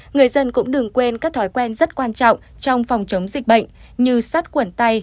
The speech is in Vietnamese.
người dân cũng đừng quên các thói quen rất quan trọng trong phòng chống dịch bệnh như sát quẩn tay